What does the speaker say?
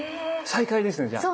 再会ですねじゃあ。